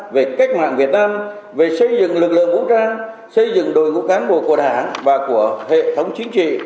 về cách mạng việt nam về xây dựng lực lượng vũ trang xây dựng đội ngũ cán bộ của đảng và của hệ thống chính trị